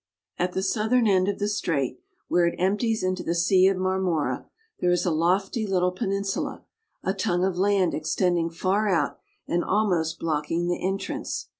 At the southern end of the strait, where it empties into the Sea of Marmora, there is a lofty little peninsula, a tongue of land extending far out, and almost blocking the entrance.